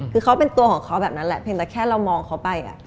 คือเขาเป็นตัวของเขาแบบนั้นแหละเพียงแต่แค่เรามองเขาไป